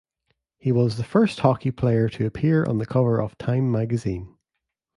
He was the first hockey player to appear on the cover of "Time Magazine".